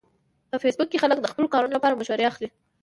په فېسبوک کې خلک د خپلو کارونو لپاره مشورې اخلي